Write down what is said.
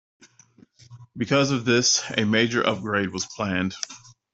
Because of this, a major upgrade was planned.